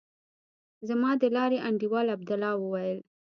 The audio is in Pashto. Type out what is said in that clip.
زما د لارې انډيوال عبدالله وويل.